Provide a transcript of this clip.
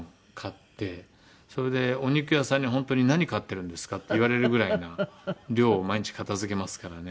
それでお肉屋さんにホントに「何飼ってるんですか？」って言われるぐらいな量を毎日片付けますからね。